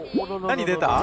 何出た？